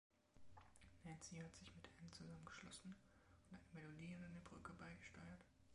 Nancy hat sich mit Ann zusammengeschlossen und eine Melodie und eine Brücke beigesteuert.